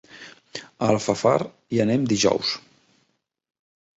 A Alfafar hi anem dijous.